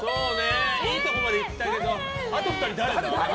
いいとこまでいったけどあと２人誰だ？